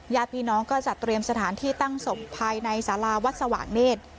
ญาติพี่น้องก็จะเตรียมสถานที่ตั้งศพภายในสาราวัดสว่างเนธ